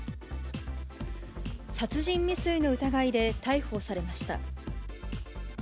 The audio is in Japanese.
殺人未遂の疑いで逮捕されました。